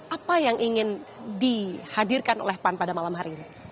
apa yang ingin dihadirkan oleh pan pada malam hari ini